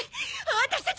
私たち